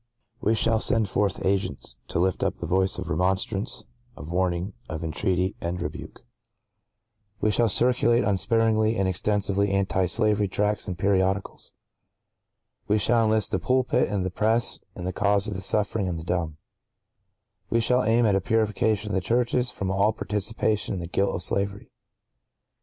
(¶ 36) We shall send forth Agents to lift up the voice of remonstrance, of warning, of entreaty and rebuke. (¶ 37) We shall circulate, unsparingly and extensively, anti slavery tracts and periodicals. (¶ 38) We shall enlist the pulpit and the press in the cause of the suffering and the dumb. (¶ 39) We shall aim at a purification of the churches from all participation in the guilt of slavery.